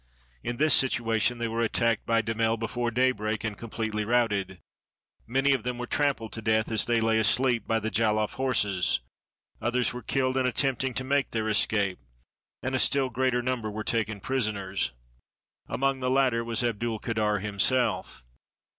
In this situation they were attacked by Damel before daybreak, and completely routed. Many of them were trampled to death as they lay asleep, by the Jaloff horses; others were killed in attempting to make their escape; and a still greater number were taken prisoners. Among the latter was Abdulkader himself.